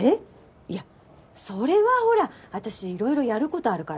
いやそれはほら私色々やることあるから。